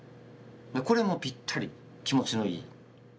これもピッタリ気持ちのいい。